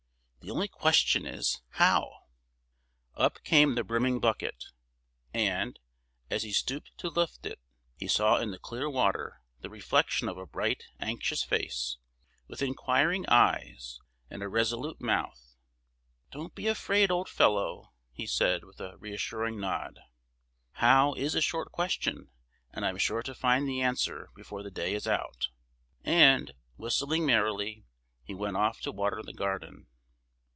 The only question is, how?" Up came the brimming bucket, and, as he stooped to lift it, he saw in the clear water the reflection of a bright, anxious face, with inquiring eyes and a resolute mouth. "Don't be afraid, old fellow!" he said, with a reassuring nod. "'How?' is a short question, and I am sure to find the answer before the day is out," and, whistling merrily, he went off to water the garden.